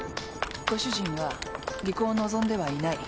ご主人は離婚を望んではいない。